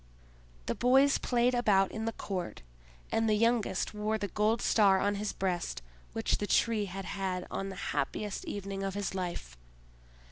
The boys played about in the court, and the youngest wore the gold star on his breast which the Tree had had on the happiest evening of his life.